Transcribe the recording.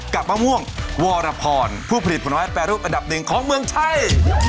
กับมะม่วงวอละพอร์นผู้ผลิตผลไม้แปดรูปอันดับอึงของเมืองไชย